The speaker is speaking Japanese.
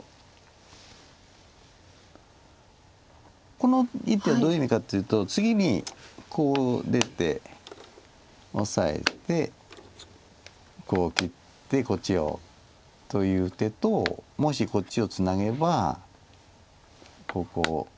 この一手はどういう意味かというと次にこう出てオサえてこう切ってこっちをという手ともしこっちをツナげばここを出て